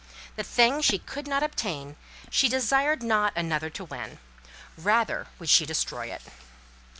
The thing she could not obtain, she desired not another to win: rather would she destroy it.